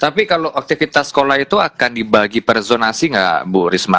tapi kalau aktifitas sekolah itu akan dibagi perzonasi enggak bu risma